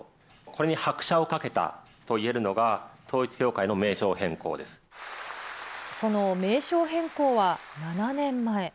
これに拍車をかけたといえるのが、その名称変更は７年前。